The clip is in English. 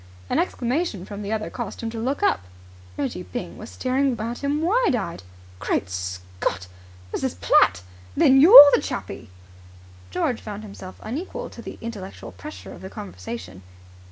An exclamation from the other caused him to look up. Reggie Byng was staring at him, wide eyed. "Great Scott! Mrs. Platt! Then you're the Chappie?" George found himself unequal to the intellectual pressure of the conversation.